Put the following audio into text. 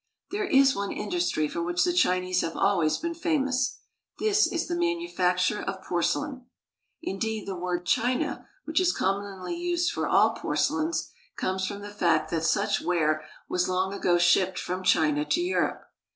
There is one industry for which the Chinese have always been famous. This is the manufacture of porcelain. In deed, the word *' china," which is commonly used for all porcelains, comes from the fact that such ware was long ago shipped from China to Europe.